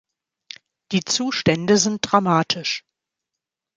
Die Zustände sind dramatisch.